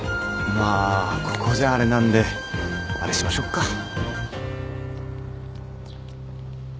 まあここじゃあれなんであれしましょっか。